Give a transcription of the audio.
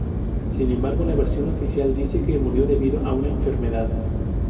Sin embargo, la versión oficial dice que murió debido a una enfermedad.